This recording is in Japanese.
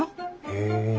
へえ。